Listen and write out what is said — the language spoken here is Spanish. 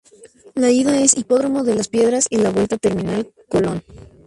La ida es Hipódromo De Las Piedras y la vuelta Terminal Colón.